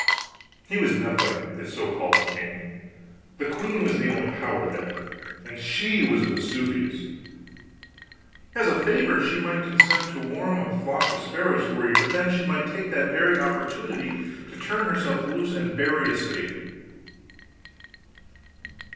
He was nothing, this so called king: the queen was the only power there. And she was a Vesuvius. As a favor, she might consent to warm a flock of sparrows for you, but then she might take that very opportunity to turn herself loose and bury a city.